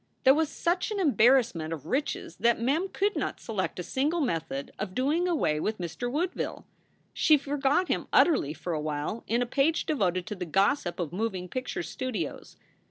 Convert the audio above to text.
There was such an embarrassment of riches that Mem could not select a single method of doing away with Mr. Woodville. She forgot him utterly for a while in a page devoted to the gossip of moving picture studios.